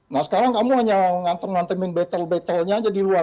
nah sekarang kamu hanya ngantem ngantemin battle battlenya aja di luar